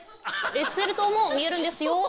エッフェル塔も見えるんですよ。